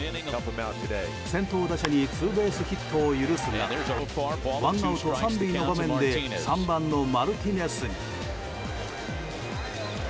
先頭打者にツーベースヒットを許すなどワンアウト３塁の場面で３番のマルティネスに。